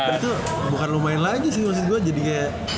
itu bukan lumayan lagi sih maksud gua jadi kayak